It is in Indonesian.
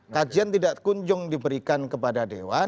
kajian tidak kunjung diberikan kepada dewan